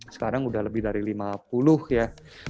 sekarang sudah lebih dari lima puluh ya